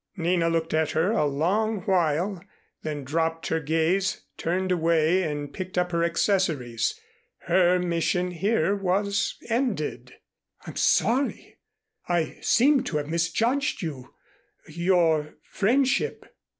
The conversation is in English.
Nina looked at her a long while, then dropped her gaze, turned away and picked up her accessories. Her mission here was ended. "I'm sorry. I seem to have misjudged you your friendship."